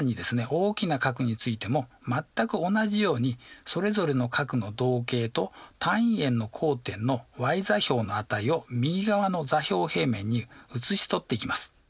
大きな角についても全く同じようにそれぞれの角の動径と単位円の交点のｙ座標の値を右側の座標平面にうつし取っていきます。